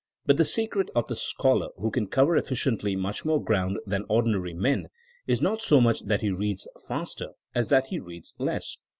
But the secret of the scholar who can cover efficiently much more ground than ordinary men is not so much that he reads faster, as that he reads less.